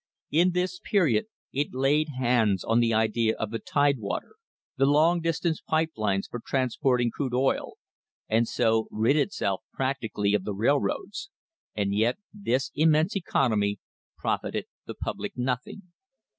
In this period it laid hands on the idea of the Tidewater, the long distance pipe lines for transporting crude oil, and so rid itself prac tically of the railroads, and yet this immense economy prof ited the public nothing.